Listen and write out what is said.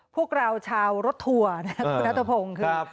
พวกเราชาวรถทัวร์นะครับคุณนัทพงศ์คือ